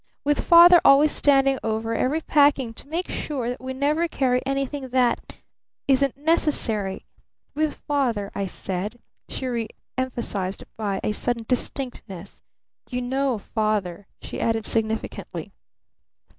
With Father always standing over every packing to make sure that we never carry anything that isn't necessary. With Father, I said," she re emphasized by a sudden distinctness. "You know Father!" she added significantly.